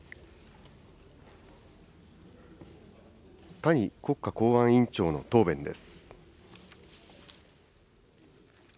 谷国家公安委員長の答弁です。